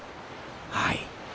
はい。